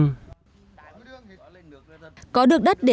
cảm ơn các bạn đã theo dõi